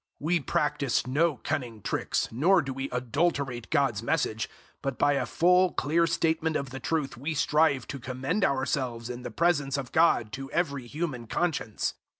We practice no cunning tricks, nor do we adulterate God's Message. But by a full clear statement of the truth we strive to commend ourselves in the presence of God to every human conscience.